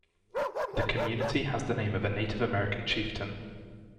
The community has the name of a Native American chieftain.